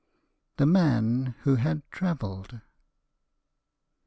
THE MAN WHO HAD TRAVELLED.